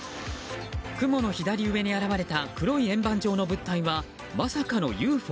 雲の左上に現れた黒い円盤状の物体はまさかのＵＦＯ？